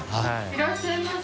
いらっしゃいませ。